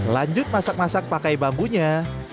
lanjut masak masak pakai bambunya